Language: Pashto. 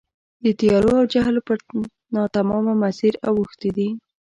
د تیارو او جهل پر ناتمامه مسیر اوښتي دي.